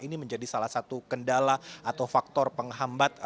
ini menjadi salah satu kendala atau faktor penghambat